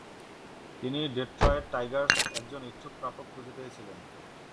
তিনি ডেট্রয়েট টাইগার্সে একজন ইচ্ছুক প্রাপক খুঁজে পেয়েছিলেন।